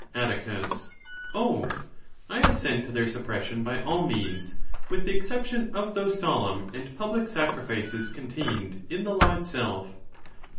, Atticus.—Oh! I assent to their suppression by all means, with the exception.of those solemn and public sacrifices con tained in the law itself.